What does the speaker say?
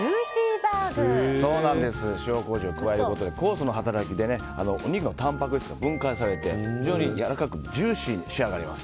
塩麹を加えることで酵素の働きでお肉のたんぱく質が分解されて非常にやわらかくジューシーに仕上がります。